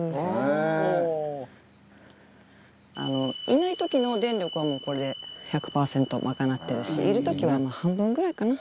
いない時の電力はもうこれで１００パーセント賄ってるしいる時は半分ぐらいかな。